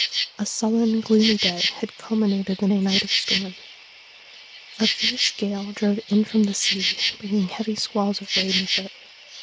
A sullen, gloomy day had culminated in a night of storm. A fierce gale drove in from the sea, bringing heavy squalls of rain with it.